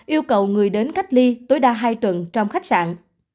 yêu cầu người đến cách ly tối đa hai tuần trong khách sạn